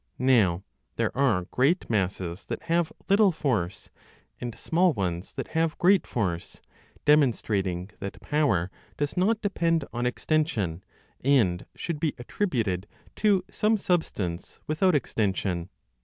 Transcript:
Now there are great masses that have little force, and small ones that have great force; demonstrating that power does not depend on extension, and should be attributed to some (substance) without extension.